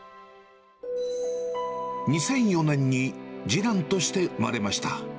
２００４年に、次男として生まれました。